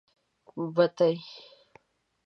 بتۍ.